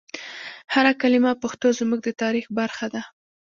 هر کلمه پښتو زموږ د تاریخ برخه ده.